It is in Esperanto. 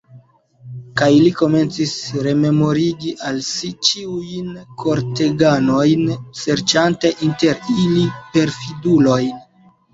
Kaj li komencis rememorigi al si ĉiujn korteganojn, serĉante inter ili perfidulojn.